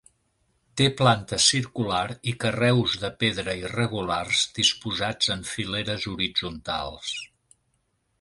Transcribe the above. Té planta circular i carreus de pedra irregulars disposats en fileres horitzontals.